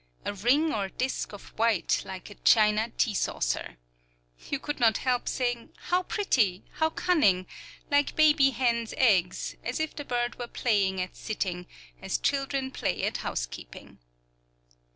a ring or disk of white like a china tea saucer. You could not help saying, How pretty! How cunning! like baby hens' eggs, as if the bird were playing at sitting, as children play at housekeeping.